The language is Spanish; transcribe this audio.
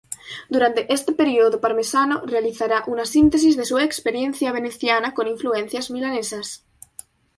Durante este período parmesano realizará una síntesis de su experiencia veneciana con influencias milanesas.